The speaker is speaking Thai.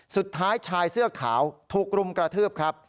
สุดท้ายชายเสื้อขาวถูกรุมกระทืบครับ